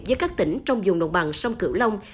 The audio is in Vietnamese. giữa các tỉnh trong vùng đồng bằng sông cửu long